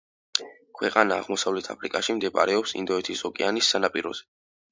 ქვეყანა აღმოსავლეთ აფრიკაში, მდებარეობს ინდოეთის ოკეანის სანაპიროზე.